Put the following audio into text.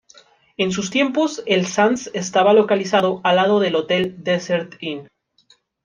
En sus tiempos, el Sands estaba localizado al lado del hotel Desert Inn.